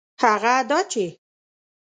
هغه دا چي